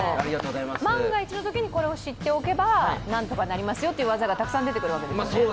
万が一のときにこれを知っておけば、何とかなりますよという技がたくさん出てくるわけですよね。